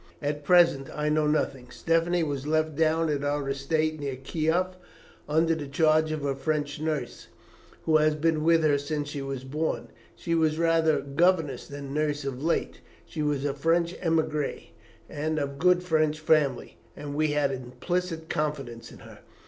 At present I know nothing. Stephanie was left down at our estate, near Kieff, under the charge of her French nurse, who has been with her since she was born. She was rather governess than nurse of late. She was a French émigré, and of good French family, and we had implicit confidence in her.